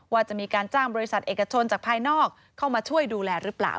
ว่าจะมีการจ้างบริษัทเอกชนจากภายนอกเข้ามาช่วยดูแลหรือเปล่า